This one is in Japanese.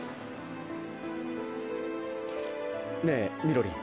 ねえみろりん。